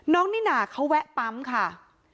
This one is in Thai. น้องนี่นาเขาแวะปั๊มค่ะ